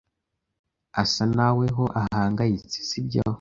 asa naweho ahangayitse, sibyo?